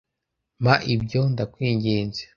Mpa ibyo, ndakwinginze.